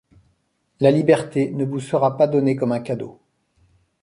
La liberté ne vous sera pas donnée comme un cadeau.